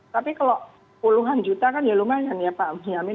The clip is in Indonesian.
tapi kalau puluhan juta kan ya lumayan ya pak gunyamin